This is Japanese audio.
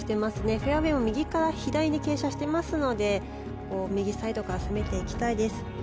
フェアウェーも右から左に傾斜していますので右サイドから攻めていきたいです。